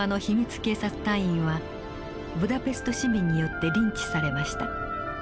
警察隊員はブダペスト市民によってリンチされました。